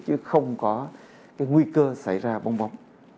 chứ không có cái nguy cơ xảy ra bong bóng